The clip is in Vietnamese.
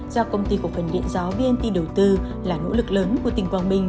do công ty cổ phần điện gió bnt đầu tư là nỗ lực lớn của tỉnh quảng bình